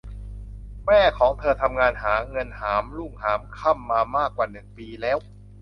แม่ของเธอทำงานหาเงินหามรุ่งหามค่ำมามากกว่าหนึ่งปีแล้ว